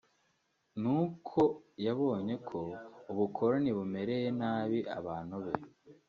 n’uko yabonye ko ubukoroni bumereye nabi abantu be